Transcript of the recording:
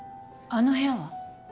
あの部屋は？